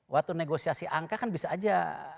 waktu negosiasi angka kan bisa aja